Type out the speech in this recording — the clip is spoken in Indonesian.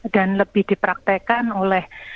dan lebih dipraktekan oleh